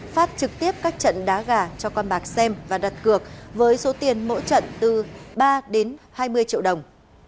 phát trực tiếp các trận đá gà cho con bạc xem và đặt cược với số tiền mỗi trận từ ba đến hai mươi triệu đồng